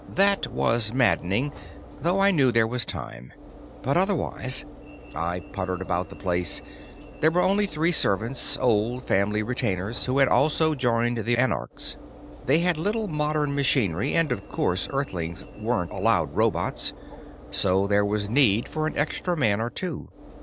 That was maddening, though I knew there was time. But otherwise I puttered about the place. There were only three servants, old family retainers who had also joined the anarchs. They had little modern machinery, and of course Earthlings weren't allowed robots, so there was need for an extra man or two.